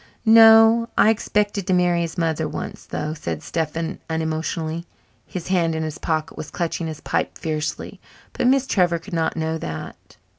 "No. I expected to marry his mother once, though," said Stephen unemotionally. His hand in his pocket was clutching his pipe fiercely, but Miss Trevor could not know that.